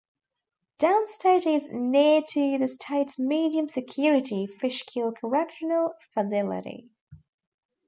Downstate is near to the state's medium security Fishkill Correctional Facility.